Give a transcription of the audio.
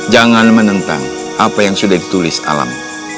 jangan menentang apa yang sudah ditulis alam